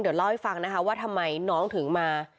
เดี๋ยวเล่าให้ฟังนะคะว่าทำไมน้องถึงมา